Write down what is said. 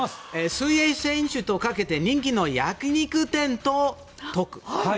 水泳選手とかけて人気の焼き肉店ととく。